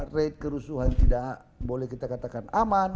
rate kerusuhan tidak boleh kita katakan aman